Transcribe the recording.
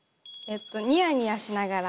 「ニヤニヤしながら」。